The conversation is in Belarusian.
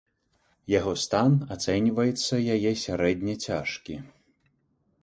Яго стан ацэньваецца яе сярэдне цяжкі.